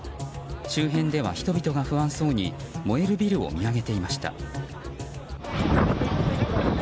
周辺では人々が不安そうに燃えるビルを見上げていました。